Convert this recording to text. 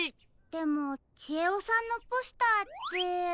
でもちえおさんのポスターって。